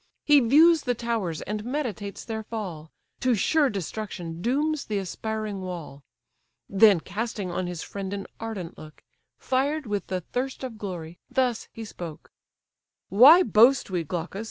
He views the towers, and meditates their fall, To sure destruction dooms the aspiring wall; Then casting on his friend an ardent look, Fired with the thirst of glory, thus he spoke: "Why boast we, Glaucus!